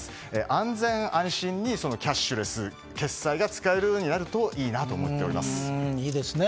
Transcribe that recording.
安全・安心にキャッシュレス決済が使えるようになればいいなといいですね。